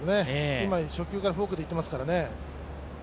今、初球からフォークでいっていますからね。